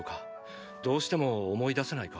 どうしても思い出せないか？